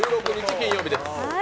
金曜日です。